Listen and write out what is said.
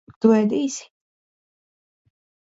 Tu ēdīsi?